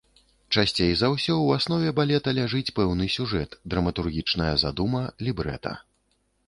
Часцей за ўсё ў аснове балета ляжыць пэўны сюжэт, драматургічная задума, лібрэта.